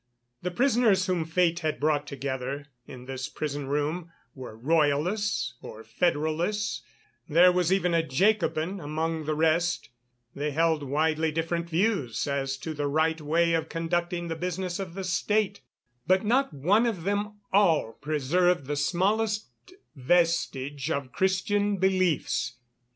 The prisoners whom fate had brought together in this prison room were Royalists or Federalists, there was even a Jacobin amongst the rest; they held widely different views as to the right way of conducting the business of the State, but not one of them all preserved the smallest vestige of Christian beliefs.